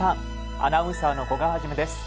アナウンサーの古賀一です。